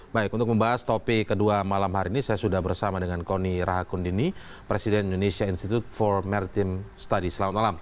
baik untuk membahas topik kedua malam hari ini saya sudah bersama dengan kony rahakundini presiden indonesia institute for maritim studies selamat malam